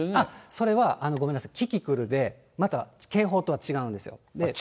それはごめんなさい、キキクルで、また警報とは違うんですよ。